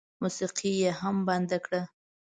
موسيقي یې هم بنده کړه.